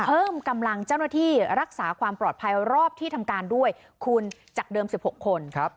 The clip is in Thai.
เพิ่มกำลังเจ้าหน้าที่รักษาความปลอดภัยรอบที่ทำการด้วยคุณจากเดิม๑๖คน